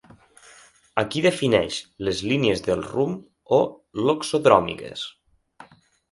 Aquí defineix les línies del rumb o loxodròmiques.